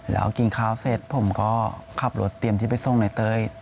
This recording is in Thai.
แล้วกินข้าวเสร็จผมก็ขับรถเตรียมที่ไปส่งในเต้ย